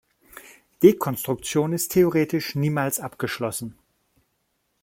Dekonstruktion ist theoretisch niemals abgeschlossen.